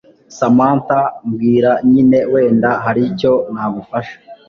Samantha mbwira nyine wenda haricyo nagufasha